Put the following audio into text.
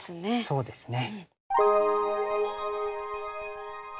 そうですね。